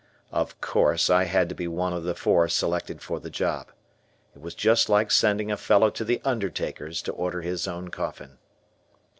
Of course, I had to be one of the four selected for the job. It was just like sending a fellow to the undertakers to order his own coffin.